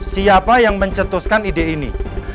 siapa yang mencetuskan ide ini